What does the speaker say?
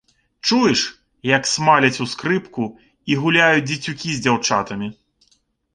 Чуеш, як смаляць у скрыпку і гуляюць дзецюкі з дзяўчатамі?